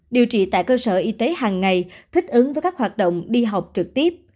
điều trị tại cơ sở y tế hàng ngày thích ứng với các hoạt động đi học trực tiếp